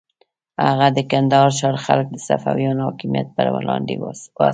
هغه د کندهار ښار خلک د صفویانو حاکمیت پر وړاندې وهڅول.